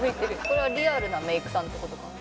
これはリアルなメイクさんって事かな？